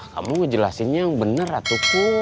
kamu ngejelasinnya yang bener atukum